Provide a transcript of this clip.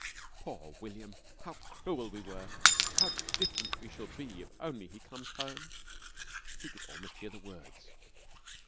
"Poor William! How cruel we were! How different we shall be if only he comes home ...!" He could almost hear the words.